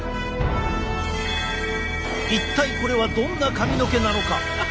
一体これはどんな髪の毛なのか？